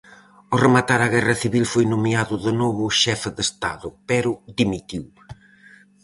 Ao rematar a Guerra Civil foi nomeado de novo xefe de estado, pero dimitiu.